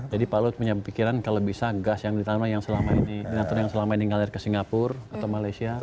jadi pak luhut punya pikiran kalau bisa gas yang ditanam yang selama ini yang selama ini ngalir ke singapura atau malaysia